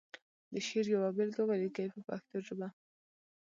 د شعر یوه بېلګه ولیکي په پښتو ژبه.